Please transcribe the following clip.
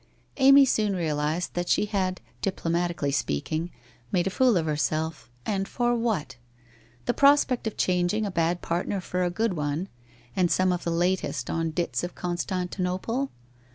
Amy soon realized that she had, diplomatically speaking, made a fool of herself, and for what? The pros pect of changing a bad partner for a good one and some of the latest on dits of Constantinople.